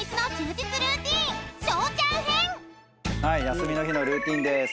休みの日のルーティンです。